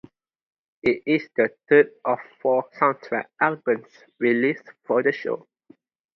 It is the third of four soundtrack albums released for the show.